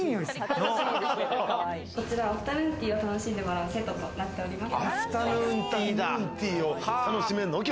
こちらアフタヌーンティーを楽しんでもらうセットとなっております。